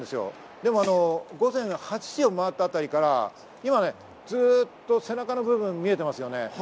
でも午前８時を回ったあたりから今、ずっと背中の部分が見えていますよね。